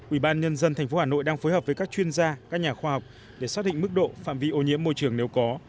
ubnd tp hà nội đang phối hợp với các chuyên gia các nhà khoa học để xác định mức độ phạm vi ô nhiễm môi trường nếu có